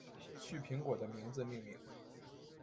旭苹果的名字命名。